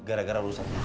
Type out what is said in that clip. gara gara lo sedekah